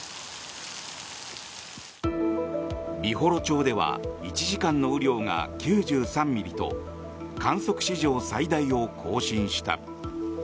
美幌町では１時間の雨量が９３ミリと観測史上最大を更新した。